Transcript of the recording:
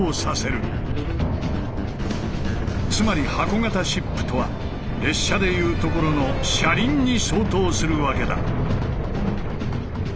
つまり箱型シップとは列車でいうところの「車輪」に相当するわけだ。